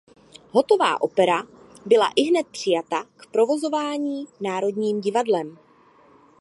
Hotová opera byla ihned přijata k provozování Národním divadlem.